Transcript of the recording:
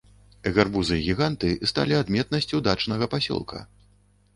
Гарбузы-гіганты сталі адметнасцю дачнага пасёлка.